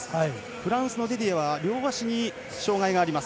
フランスのディディエは両足に障がいがあります。